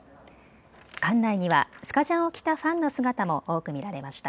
館内にはスカジャンを着たファンの姿も多く見られました。